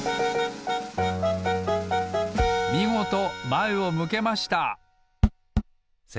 みごとまえを向けました！